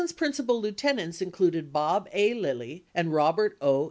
584 Nelson's principal lieutenants included Bob A. Lilly and Robert O.